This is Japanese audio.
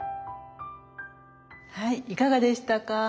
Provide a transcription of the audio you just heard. はいいかがでしたか？